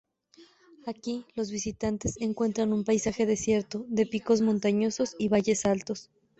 Aquí, los visitantes encuentran un paisaje desierto de picos montañosos y valles altos.